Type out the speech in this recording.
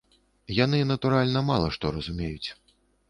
Яны, натуральна, мала што разумеюць.